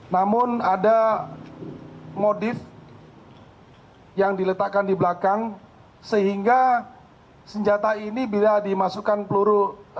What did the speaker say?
namun ada motif yang diletakkan di belakang sehingga senjata ini bila dimasukkan peluru